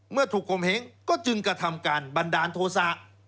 เมื่อถูกคมเห้งก็จึงกระทำการบันดาลโทษะ